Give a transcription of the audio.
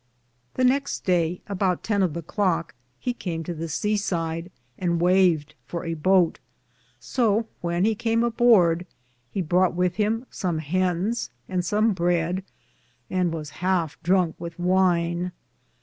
The nexte daye, aboute ten of the clocke, he came to the sea sid, and weaved for a boate ; so, when he cam aborde, he broughte with him som hens and som breade, and was halfe Drunke with wyne.